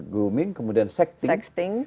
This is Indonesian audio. grooming kemudian sexting